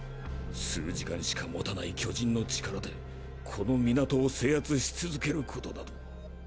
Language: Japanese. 数時間しか保たない巨人の力でこの港を制圧し続けることなど。